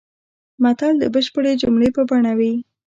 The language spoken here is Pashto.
متل د بشپړې جملې په بڼه وي